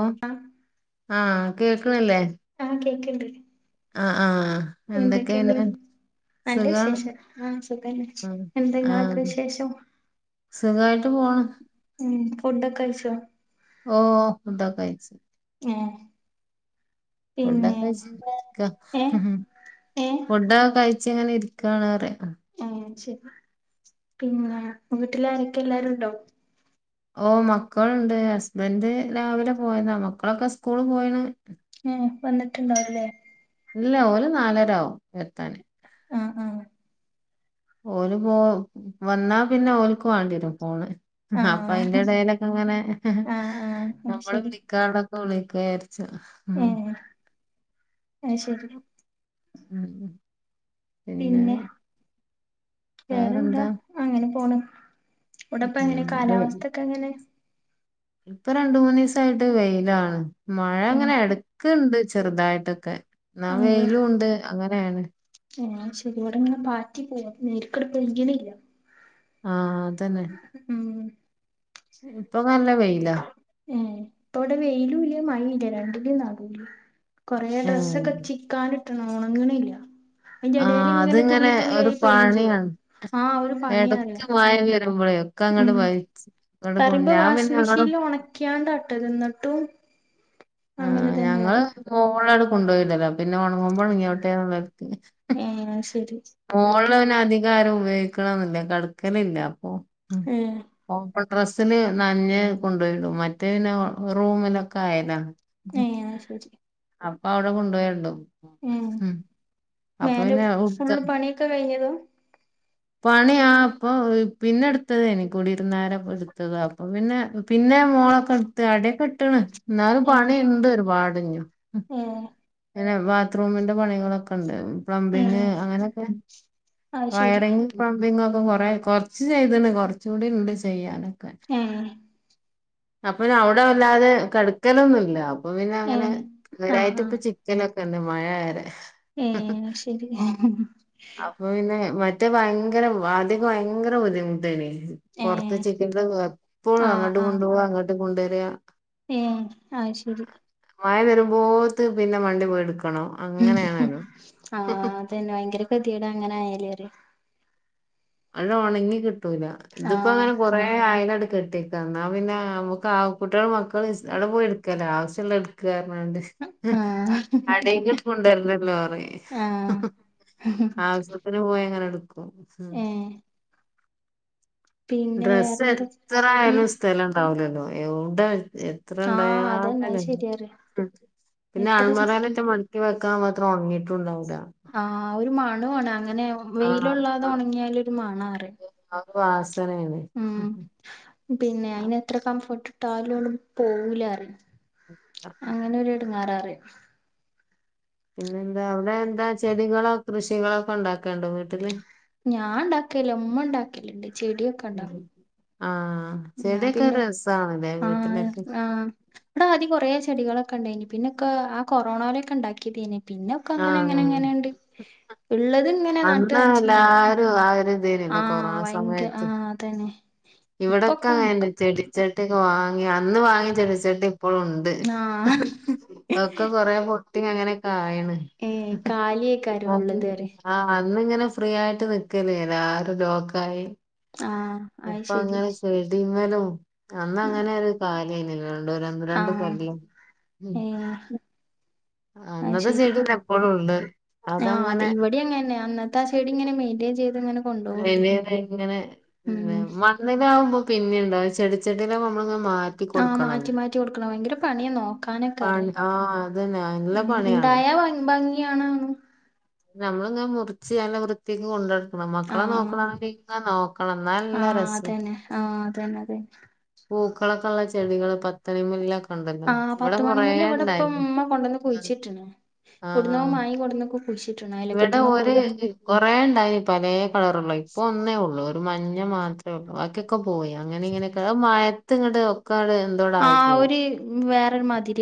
ഓ ആഹ് ആഹ് കേക്ക്ണില്ലേ? ആഹ് കേക്കിണ്ട്. ആഹ് ആഹ് എന്തൊക്കെയ പിന്നെ? നല്ല സുഖാണ് വിശേഷം ആഹ് സുഖന്നെ ഉം എന്ത നിങ്ങളൊക്കെ ആഹ് വിശേഷം? സുഖായിട്ട് പോണ്. ഉം ഫുഡൊക്കെ കഴിച്ചോ? ഓഹ് ഫുഡ് ഒക്കെ കയിച്ച്. ഏഹ്. ഫുഡ് ഒക്കെ പിന്നെ കഴിച്ചു നിക്ക ഏഹ് ഏഹ് ഫുഡ് ഒക്കെ കഴി ചിങ്ങനെ ഇരിക്കാണ് പറയ. ഏഹ് ശരി പിന്നെ വീട്ടില് ആരൊക്കെ എല്ലാരും ഉണ്ടോ? ഓ മക്കളുണ്ട് ഹസ്ബൻഡ് രാവിലെ പോയതാ മക്കളൊക്കെ സ്കൂള് പോയിണ് ഉഹ്ഹ് വന്നിട്ടുണ്ടാവുല്ലേ! ഇല്ല ഓല് നാലര ആവും എത്താന്. ഉം ഉം.. ഓര്പോ വന്നാ പിന്നെ ഓന്ക്ക് വേണ്ടി വരും ഫോൺ. അപ്പൊ അതിന്റെ ആഹ് ഇടയിലൊക്കെ അങ്ങനെ ആഹ് ആഹ് അത് നമ്മള് ശരി വിളി ക്കടൊക്കെ വിളിക്കയരിച്ചു ഉഹ്ഹ് അയ്യ് ശരി [inaudible] പിന്നെ വേറെന്താ അങ്ങനെ പോണ് അവടെ ഇപ്പൊ ഉം എങ്ങനെ വെ- കാലാവസ്ഥക്കെ എങ്ങനെ ഇപ്പൊ രണ്ടു മൂന്നു ദിവസായിട്ട് വെയിലാണ് മഴ ഏഹ് അങ്ങനെ എടു ക്ക ഉണ്ട് ചെറുതായിട്ടൊക്കെ എന്നാ ഏഹ് വെയിലും ഉണ്ട് അങ്ങനെണ് ശരി ഇവിടെ ഇങ്ങനെ പാറ്റി പോവും നേരിരി പെയ്യണില്ല. ആഹ് അതന്നെ. ഉം ഇപ്പൊ നല്ല വെയില. ഇപ്പൊ ഇവിടെ വെയിലും ല്ല മഴിം ല്ല രണ്ടിന്റിം നടൂല. കൊറെ ഉം ഡ്രസ്സൊക്കെ ചിക്കാനിട്ട്ണ് ഒണങ്ണില്ല ആഹ് അതിങ്ങനെ ഒരു ചെയ്യും പണിയാണ് ആഹ് ഒരു പണിയാറിയ ഇടക്ക് മയ വരുമ്പോഴേ ക്ക അങ്ങടെ ഉം വലിച് പറയുമ്പോ വാഷിംഗ് മെഷീനിൽ ഉണക്ക്യാണ്ട ട്ടണ് എന്നിട്ടും ആ അങ്ങനെ തന്നെ ഞങ്ങള് അറിയ ഓളടെ കൊണ്ടുപോയില്ലല്ലോ പിന്നെ ഉണങ്ങുമ്പോൾ ഒണഗ്യോട്ടെ ആഹ് ശരി മോള് ല് പിന്നെ അധികം ആരും ഉപയോഗിക്കണൊന്നില്ല കെട്ക്കലില്ല അപ്പൊ ഉ ഏഹ് ഓപ്പൺ ടെറസില് നനഞ്ഞ് കൊണ്ടുപോയിടും മറ്റേന്നെ റൂമിലൊക്കെ അയല ഏഹ് അത് ശരി അപ്പൊ അവിടെ കൊണ്ടു പോയടും ഏഹ് അപ്പൊ മേലെ പിന്നെ ആവു ഫുള്ള് പണിയൊക്കെ കഴിഞ്ഞതോ [inaudible] പണിയ അപ്പൊ പിന്നെ എടുത്തതേനി കുടിരുന്നേര എടുത്തത അപ്പൊ പിന്നെ പിന്നെ മോളൊക്കെടുത്ത് അടിയൊക്കെ ഇട്ട്ണ് എന്നാലും ഏഹ് പണിണ്ട് ഒരുപാട് ഞ്ഞും. ഏഹ് പിങ്ങന്നെ ബാത്റൂമിന്റെ പണികളൊക്കെ ഉണ്ട് പ്ലംബിങ് ഏഹ് അങ്ങനെയൊക്കെ അത് ശരി വയറിങ് പ്ലമ്പിങ്യൊക്കെ ഒക്കെ കൊറ കൊറച്ച് ചെയ്ത്ണ്ട് കൊറച്ച കൂടി ഇണ്ട് ചെയ്യാനൊക്കെ ഏഹ് അപ്പൊ അവിടെ വല്ലാതെ കെട്ക്കലൊന്നില്ല അപ്പൊ പിന്നെ ഏ അങ്ങനെ ഒരായിട്ട ആഹ് ആഹ് ഇപ്പൊ ചിക്കലൊക്കെ ണ്ട് മഴ വരെ ഏ ശരി അപ്പൊ പിന്നെ മറ്റേ ഭയങ്കര ആദ്യൊക്കെ ഭയങ്കര ബുദ്ധിമുട്ടേയ്നി ഏ പുറത്ത് ചിക്ക എപ്പോഴും ആഹ് അങ്ങോട്ട് ആഹ് കൊണ്ടു പോവാ അങ്ങോട്ട് കൊണ്ടുവരിക. ഏ അത് ശരി മഴ വരുമ്പോത്ത പിന്നെ മണ്ടി പോയി എടുക്കണം അങ്ങനെണലോ ആഹ് അതന്നെ ഭയങ്കര ഗതിയേഡ് അങ്ങനെ ആയാലേ പറയാ അത് ഒണങ്ങി കിട്ടൂല ഇതിപ്പോ ആഹ് അങ്ങനെ കൊറെ അയല് ആണ്ട്‌ കെട്ടിക്ക എന്നാ പിന്നെ നമുക്ക് ആ കുട്ടികളും മക്കളും അവിടെ പോയി എടുക്കല്ലോ ആവശ്യമുള്ള ക്ക്‌ പറഞ്ഞാണ്ട്. ആഹ് അടീക്ക് കൊണ്ടുവരണം ഒരു ലോറി ആഹ് അവര് പോയ അങ്ങനെ എടുക്കും ഉ ഏ പിന്നെ ഡ്രസ്സ് വേറെന്താ എത്ര ഉം ആയാലും സ്ഥലംണ്ടാവില്ലല്ലോ, എവ്ടെ! ഇത്ര ആഹ് അതന്നെ അത് ഉണ്ടായാലും ശരിയാ പറയാ പിന്നെ എത്ര ചിക്കി അൽമാറാലെറ്റം മട ക്കി വെക്കാൻ മാത്രം ഉണങ്ങിട്ടുണ്ടാവില്ല. ആഹ് ഒരു മണം ആണ് അങ്ങനെ ആഹ് വെയില് കൊള്ളാതെ ഉണങ്ങിയാല ഒരു മണം ആണെന്ന് പറയും. ആ വാസന ആണ്‌. പിന്നെ അയിന് എത്ര കംഫോർട്ട് ഇട്ടാലും പോകൂല പറയും. അപ്പൊ അങ്ങനൊരു എടുങ്ങാറാറിയും. പിന്നെ എന്താ അവിടെ എന്താ ചെടികളോ കൃഷികളോ ഒക്കെ ഉണ്ടാക്കണ്ടോ വീട്ടില്? ഞാൻ ഉണ്ടാക്കല്ല്യാ ഉമ്മ ഉണ്ടാക്കലുണ്ട് ചെടിയൊക്കെ ഉണ്ടാക്ക. ആഹഹ് ചെടിയൊക്കെ രസാണല്ലേ വീട്ടിലൊക്കെ. ! ആഹ് ഇവിടെ ആദ്യ കൊറേ ചെടികളൊക്കെ ഉണ്ടേയ്നി പിന്നെക്കെ ആ കൊറോണേലൊക്കെ ഉണ്ടാക്കിയതേന്. പിന്നൊക്കെ അങ്ങനെ ആഹ് അങ്ങനെ എങ്ങനെയുണ്ട് ഉള്ളത്. ഇങ്ങനെ നട്ട് നനച്ചുണ്ടാക്കും അന്നെല്ലാരും ആ ഒര് ആ ഭയങ്കര ആ അതന്നെ ഇപ്പൊക്കെ ഇവിടെക്കെ കണക്കാ അങ്ങെന്നേ ചെടി ചട്ടി ഒക്കെ വാങ്ങി അന്ന് വാങ്ങി ചെടിച്ചട്ടി ഇപ്പോളുമുണ്ട്. ആ ഒക്കെ കൊറ പൊട്ടി അങ്ങനെയൊക്കെ ആയണ്. ഏ കാലിയേക്കാരം ഉള്ളത് പറയ ആഹ് അന്നിങ്ങനെ ഫ്രീ ആയിട്ട് വെക്കല്ലേ ചെയ്യണേ ആകെ ലോക്ക് ആയി. ആഹ ആയി അപ്പൊ അങ്ങനെ ചെയിത് കഴിഞ്ഞാലും. അന്നങ്ങനെ ഒരു കാലേനുവല്ലോ ഒന്ന് ആ രണ്ട് കൊല്ലം ഉ ഐ ശ്ശെരി ചെടിന്നെ ഇപ്പളും ഉണ്ട് ആ അതെ അതങ്ങനെ ഇവിടെ അങ്ങന്നെ അന്ന ആ ഷെയിടിങ്ങനെ മെയ്ന്റെയ്ൻ ചെയ്തിങ്ങനെ പിന്നെയിടെ ഇങ്ങനെ ഉം ഇങ്ങനെയാകുമ്പോ പിന്നേം ഉണ്ടാവും ചെടിച്ചെട്ടിയിലെ മണ്ണങ്ങു മാറ്റ ആ മാറ്റി മാറ്റി കൊടുക്കണം ഭയങ്കര പണിയ നോക്കാനൊക്കെ അറിയ പണി ആഹ് അതന്നെ നല്ല പണിയാണ് ണ്ടായാ ഭംഗ ഭംഗിയാണ്. നമ്മളിങ്ങെ മുറിച്ച് അയിനെ വൃത്തിയക്ക് കൊണ്ടടക്കണം. ന മക്കളെ ആഹ് നോക്കണനെങ്കിൽ നോക്കണം എന്നാ നല്ല രസം. ആ അതന്നെ അതെ. പൂക്കളൊക്കെ ഉള്ള ചെടികള് പത്തണി മുല്ല ണ്ടല്ലോ ആഹ് ഇവിടെ പത്ത് കൊറേ മണിമുല്ല ഇവിടെ ഇപ്പം ഇണ്ടായി ഉമ്മ കൊണ്ടന്ന് കുഴിച്ചിട്ട്ണ് ആ ഇവിടുന്നോ [unintelligible] ഇവിടെ ഓര് കൊടന്നക്കും കുറെ ഉണ്ടായിന് പല കളറള്ളത് ഇപ്പൊ ഒന്നേ ഉള്ളു ഒരു മഞ്ഞ മാത്രമേ ഉള്ളൂ ബാക്കി ഒക്കെ ക്കെ പോയി അങ്ങനെ ഇങ്ങനൊക്ക മയത്തിങ്ങാട് ഒക്കാ, ആ ഒര് വേറെ മതി.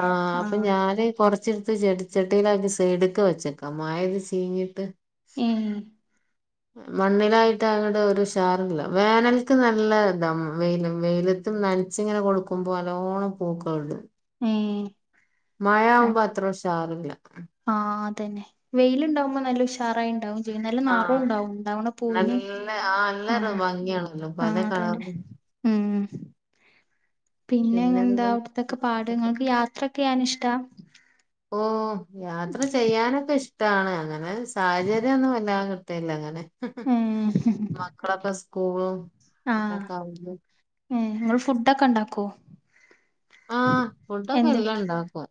ആ അപ്പൊ ആഹ് ഞാന് കുറച്ചെടുത്ത് ചെടിച്ചട്ടിയിലക്കി സൈടുക്ക വെച്ചേക്കാം മായെത് ചീഞ്ഞിട്ട് ഉം മണ്ണിലായിട്ട് അങ്ങട് ഒരുഷാറല്ല വേനൽക്ക് നല്ല ഇതാ വെയിലും വെയില നനച്ചിങ്ങനെ കൊടുക്കുമ്പോ നല്ലോണം പൂക്കള് ഇടും ഹേ മഴ ആകുമ്പോ അത്ര ഉഷാറില്ല ആ അതന്നെ വെയിലുണ്ടാവുമ്പോ നല്ല ഉഷാറായിണ്ടാവും പിന്നെ നല്ല ആഹ് നെറോണ്ടാവും ഉണ്ടാവണ പൂവിന് നല്ല ആ നല്ല ആഹ് ഭംഗിയാണല്ലോ പല ആഹ് അതന്നെ കളറും ഉം പിന്നെന്താ അവിടത്തെക്കെ പാട് ഇങ്ങക്ക് യാത്രയൊ കായ്യാനിഷ്ട ഓ യാത്ര ചെയ്യാനൊക്കെ ഇഷ്ട കിട്ടാണ് അങ്ങനെ സാഹചര്യൊന്നു വല്ലാതെ കിട്ടൽല്ല അങ്ങനെ ഏഹ് മക്കളൊക്കെ സ്കൂളി സ്കൂളും ആഹ് അങ്ങനൊക്കെ ആവുമ്പോ ഏ ഇങ്ങള് ഫുഡൊക്കെ ഇണ്ടാക്കോ ആഹ് ഫുഡൊക്കെ എല്ലൊ ഇണ്ടാക്കും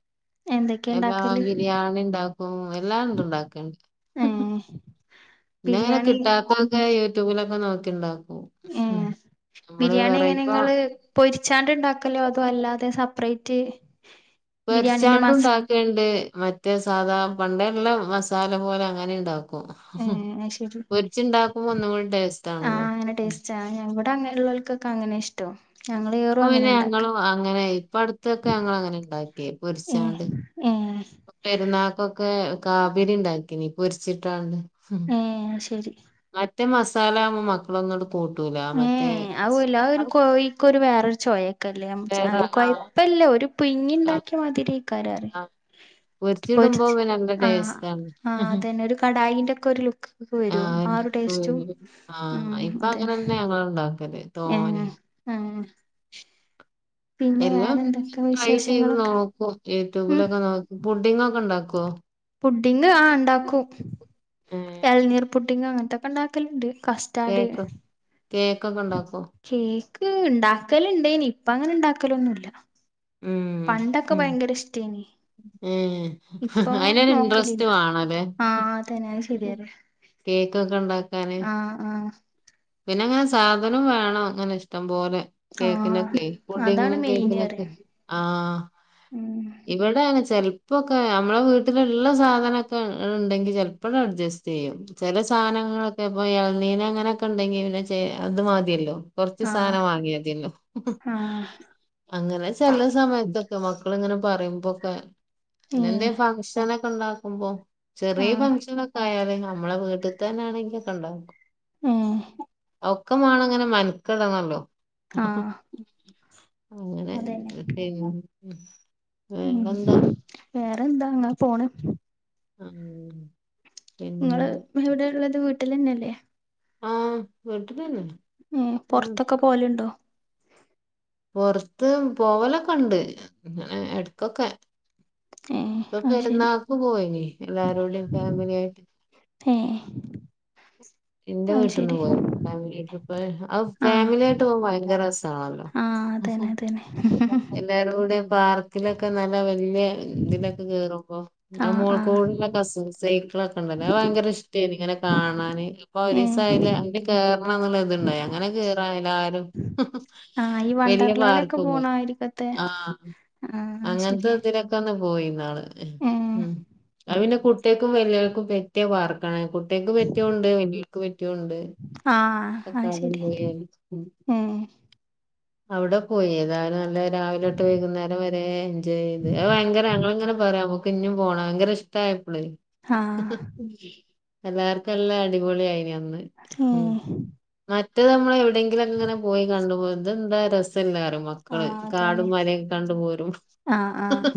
എന്തൊക്കെയാ എല്ലാം ഉണ്ടാക്കല് ബിരിയാണി ഇണ്ടാക്കും എല്ലാംണ്ട് ഇണ്ടാക്കണ്ട് ഏയ് പിന്നെയങ്ങനെ കിട്ടാത്തൊക്കെ യൂട്യൂബിലൊക്കെ നോക്കി ഇണ്ടാക്കും ഉം ഏഹ് നമ്മള് ബിരിയാണി വേറെയി എങ്ങനെ പ്പൊ നിങ്ങള് പൊരിച്ചാണ്ട് ഇണ്ടാക്കലൊ അതോ അല്ലാതെ സപ്പറേറ്റ് പെരിച്ചാണ്ടും ഇണ്ടാക്കണ്ട് മറ്റേ സാധാ പണ്ടേ ഉള്ള മസാല പോലെ അങ്ങനെ ഉണ്ടാവും ഏഹ് അത് ശരി പൊരിച്ച്ണ്ടാക്കുമ്പോ ഒന്നും കൂടി ടെയ്സ്റ്റണല്ലോ ചായ വിടെ അങ്ങനെയുള്ളോൾക്കൊക്കെ അങ്ങനെ ഇഷ്ടോം ഞങ്ങളീ ഇപ്പൊ പിന്നെ ഞങ്ങളും അങ്ങനെ ഇപ്പൊ അടുത്തൊക്കെ ഞങ്ങൾ അങ്ങനെ ഇണ്ടാക്കി പൊരിച്ചാണ്ട് ഏ പെരുന്നാക്കൊക്കെ കാബരി ഇണ്ടാക്കിനി പൊരിച്ചിട്ടാണ്ട് ഉം. ഏ ശെരി മറ്റേ മസാലാവുമ്പോ മക്കളൊന്നുട് കൂട്ടൂല ഏ മറ്റേ ആ ഒരു ല കോഴിക്ക് ഒരു വേറൊരു ചോയൊക്കല്ലേ വേറെ അല്ലാ ആ കൊയപ്പല്ല ഒരു ആ പുഴുങ്ങിണ്ടാക്കിയ മാതിരി ആകാരറിയെ ആ, പൊരിച്ചിടുമ്പോ പൊരിച്ച പിന്നെ നല്ല ആഹ് ടേസ്റ്റാണ്. അതന്നെ ഒരു കടായിന്റെ ഒക്കെ ഒരു ലുക്ക് വരും ആ ആഹ് ടേസ്റ്റും ആഹ് ഇപ്പൊ അങ്ങനെന്നെ ഞങ്ങള് ണ്ടാക്കല് ഏയ് ഏഹേ എല്ലാം വേറെന്തൊക്കെ ട്രൈ ചെയ്ത് വിശേഷങ്ങളൊക്കെ നോക്കും ഉം യൂട്യൂബിലൊക്കെ നോക്കി പുണ്ടിങ്ങൊ ക്കെ ഇണ്ടാക്കോ പുഡിങ് ആ ഹ് ഇണ്ടാക്കും ഇളനീർ പുഡിങ് അങ്ങനത്തൊക്കെ ഇണ്ടാക്കല്ണ്ട് കേക്ക് കേക്കൊക്കെ ഇണ്ടാക്കോ കേക്ക് ഇണ്ടാക്കൽ ഇണ്ടായിനി ഇപ്പ അങ്ങനെ ഇണ്ടാക്കലൊന്നുല്ല ഉം പണ്ടൊക്കെ ഭയങ്കര ഇഷ്ടേന്നി ഉം അതിനൊരു നോക്കലില്ല ഇന്ട്രസ്റ്റ് മാണല്ലേ ആഹ് അതന്നെ അത് ശരിയാല്ലേ കേക്കൊക്കെ ഇണ്ടാക്കാന് ആഹ് ആഹ് പിന്നെങ്ങനെ സാധനം വേണം ഇങ്ങനെ ഇഷ്ടം പോലെ ആഹ് കേക്കിനൊക്കെ അതാണ് പുണ്ടിങ്ങിനും മെയിന് കേക്കിനൊക്കെ പറയാ ആ ഉം ഇവിടെ അങ്ങനെ ചെലപ്പോക്കെ നമ്മളെ വീട്ടിലുള്ള സാധനൊക്കെ ഇണ്ടെങ്കിൽ ചെലപ്പോങ്ങട്ട് അഡ്ജസ്റ്റ് ചെയ്യും ചെല സാധനങ്ങളൊക്കെ ഇപ്പൊ ഇളന്നീന് അങ്ങനെയൊക്കെ ഇണ്ടെങ്കിൽ പിന്നെ ഇത് മതിയല്ലോ കൊർച്ച് ആഹ് സാനം വാങ്ങിയ തിയ്ന്നു ആഹ് അങ്ങനെ ചെല സമയത്തൊക്കെ മക്കള്ങ്ങനെ പറയുമ്പൊക്കെ പിന്നെന്തേം ഏഹ് ഫങ്ങ്ഷനൊക് ക്കെണ്ടാക്കുമ്പോ ചെറിയ ആഹ് ഫംഗ്ഷനൊക്കെയാല് നമ്മളെ വീട്ട്ത്തന്നെ ആണെങ്കി ഒക്കെ ണ്ടാക്കും ഏഹ് ഒക്കെ മാണം ങ്ങനെ മെൻക്കെടന്നൊള്ളൂ ആഹ് അങ്ങനെ അതന്നെ ഉം ഉം വേറെന്താ അങ്ങനെ പോണ് ആഹ് നിങ്ങള് എവിടെ ഉള്ളത് വീട്ട്ലെന്നെല്ലേ ആഹ് വീട്ടിലന്നെ ഏ ഉം പൊർത്തൊക്കെ പോകല്ണ്ടോ? പൊർത്ത് പോവലൊക്കെണ്ട് ഞ്ഞാ എട്ക്കൊക്കെ ഏഹ് ഇപ്പൊ അത് ശരി പെരുന്നാക്ക് പോയിന് എല്ലാരുടിം ഫേമിലിയായിട്ട് ഏ ഇന്റെ വീട്ട്ന്ന് പോകും ഫാമിലി ട്രിപ്പ് അത് ഫാമിലിയായിട്ട് പോക്മ്പൊ ഭയങ്കര രസാണല്ലോ ആ അതേനെ അതേനെ [unintelligible] തിലൊക്കെ നല്ല വല്യ തിലൊക്കെ കേറുമ്പോ ആ ആഹ് ആഹ് മോൾകൂടിള്ള കസിൻസ് സൈക്കളൊക്കെണ്ടല്ലൊ അത് ഭയങ്കര ഇഷ്ട്ടയ്ന്ന് ഇങ്ങനെ കാണാന് ആ ഏഹ് ഒരീസയ്ല് അയ്ല് കേർണംന്നുള്ള ത്ണ്ടായി അങ്ങനെ കേറ എല്ലാരും ആ ഈ വല്യ വണ്ടർലയിലൊക്കെ പാർക്ക് പോയി പോണതിരിക്കത്തെ ആ അത് ശരി അതിലൊക്കൊന്ന് പോയി ന്നാള് ഏഹ് ഉം അത് പിന്നെ കുട്ട് കുട്ട്യാക്കും വല്ല്യോൽക്കും പറ്റിയ പാർക്കാണ് കുട്ട്യേക്ക് പറ്റിയതുണ്ട് വല്ല്യോൽക്ക് പറ്റിയതുണ്ട് ആ അത് ശരി ഉം അവ്ടെ പോയി ഏതായാലും നല്ല രാവിലൊട്ട് വൈകുന്നേരം വരെ എൻജോയ് ചെയ്ത് അത് ഭയങ്കര ഞങ്ങള്ങ്ങനെ പറയും ഞ്ഞും പോണ ഭയങ്കര ഇഷ്ട്ടായപ്പളെയ് ആഹ് എല്ലാർക്കും എല്ല അടിപൊളിയായിന്ന് ഉം മറ്റേത് അമ്മള് എവിടേങ്കിലോക്കങ്ങനെ പോയി കണ്ടു പോരും ഇതന്താ രസല്ലന്നറിം മ മക്കള് ആഹ് അതന്നെ കാടും മലയോക്കെ കണ്ടു പോരും ആഹ് ആഹ്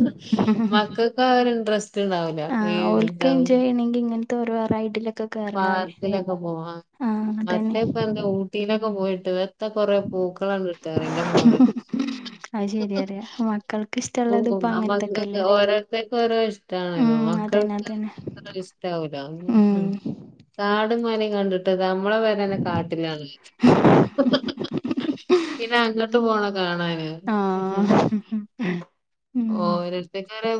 മക്കക്കഒരു ആ ഇൻട്രസ് റ്റ്ണ്ടാവൂല ഈ [unintelligible] വേണങ്കി ഇങ്ങൻ ത്തോരോ റൈഡ്ല് പാർക്കിലൊക്കെ പോവാ ആ ആഹ് അതന്നെ മറ്റേപ്പന്താ ഊട്ടിയിലൊക്കെ പോയിട്ട് ത്ത കൊറേ പൂക്കളണ്ട്ട്ട് റിം ന്റെ മോനോക് അത് ശരിയാ പറയാ മക്കൾക്ക് ഉം ഇഷ്ടള്ളത് ഇപ്പ ഉം അമ്മറീതൊക്കെ അങ്ങനത്തൊക്കെല്ലേ ഓരോര്ത്തര്ക്കോരോ ട്ടാണല്ലോ ഉം അതന്നെ മക്കൾക്ക് അതന്നെ അത്ര ഇഷ് ട്ടാവൂല ഉം കാടുംമലിം കണ്ട്ട്ട് നമ്മളെ പെരേനെ കാട്ട്ലാണ് പിന്നെ അങ്ങട്ട് പോണോ കാണാന്. ആഹ് ഉം ഓരോര്ത്തര്ക്ക് ഓരോ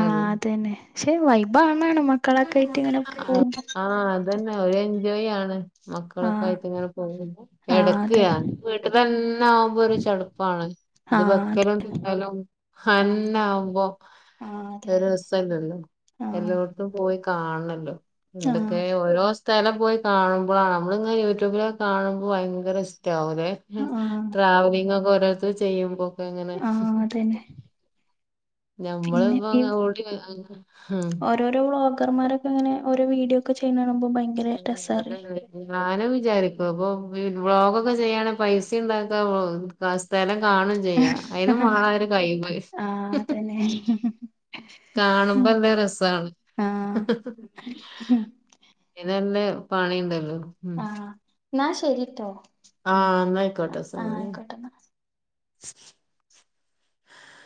ആഹ് അതന്നെ പക്ഷെ വൈബാണാണ് മക്കളൊക്കായിട്ട് ങ്ങനെ പോകുമ്പോ. അതെന്നെ ഒരു എൻജോയാണ് ആഹ് മക്കളൊക്കായ്റ്റ് ങ്ങനെ പോകുമ്പോ ആഹ് എടക്ക് അതന്നെ അത് വീട്ട്ലെന്നെ ആവുമ്പോ ഒരു ചടുപ്പാണ് ഇത് ആഹ് അത് വെക്കലും തിന്നലും ആഹ് ഹന്നാവുമ്പോ ആഹ് അതെ ഒരു അതെ രസല്ലല്ലോ ആഹ് എല്ലോട്ത്തും പോയി കാണ്ണല്ലോ എന്തക്കെ ഓരോ സ്ഥലം പോയി കാണുമ്പളാണ് ഞമ്മള്ങ്ങനെ യൂട്യൂബിലൊക്കെ കാണുമ്പോ ഭയങ്കരഷ് ടാവോലെ ആഹ് ആഹ് ട്രാവലിങൊക്കെ ഓരോരുത്തര് ചെയ്യുമ്പോക്കെങ്ങനെ ആഹ് അതന്നെ പിന്നെ ഞമ്മള്പ്പങ് ഓടി അങ് ഹ് ഓരോ വ്ലോകർമാരൊക്കെ ഓരോ വീഡിയോക്കെ ചെയ്യ്ന്നാണുമ്പോ ഭയ് ഉം അതാണത് ഞാനും വിചാരിക്കും അപ്പൊ പിൻ വ്ലോഗൊക്കെ ചെയ്യാണെങ്കി പൈസണ്ടാക്ക വോ അ സ്ഥല കാണും ചെയ്യ അയ്നും വാണൊരു കയ് വ് ആഹ് അതന്നെ ഉം കാണുമ്പല്ല രസാണ് ആഹ് യ്നല്ലെ പണിണ്ടല്ലോ ഉം ആ ന്നാ ശെരിട്ടോ ആ ന്നായ്ക്കോട്ടെ സമയം